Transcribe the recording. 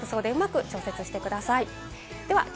服装でうまく調節してください。